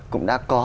cũng đã có